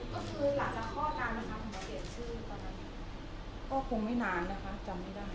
ก็คือหลังจากข้อความนะคะของเราเปลี่ยนชื่อตอนนั้นก็คงไม่นานนะคะจำไม่ได้